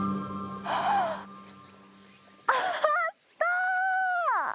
あー、あった！